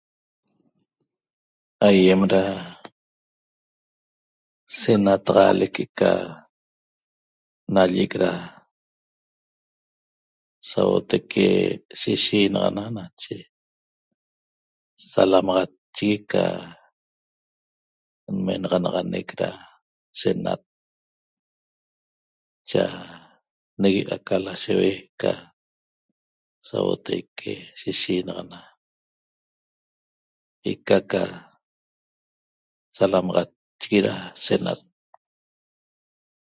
Aýem da senataxaalec que'eca nallec da sauotaique shishinaxana nache salamaxatchigui ca nmenaxanaxanec da senat chaq negue't aca lasheue ca sauotaique shishinaxana ica ca salamaxatchigui da senat